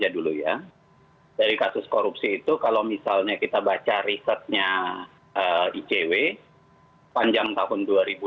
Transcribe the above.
dari kasus korupsi itu kalau misalnya kita baca risetnya icw panjang tahun dua ribu dua puluh